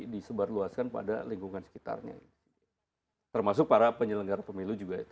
disebarluaskan pada lingkungan sekitarnya termasuk para penyelenggara pemilu juga